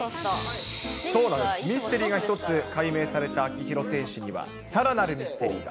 そうなんです、ミステリーが１つ、解明された秋広選手には、さらなるミステリーが。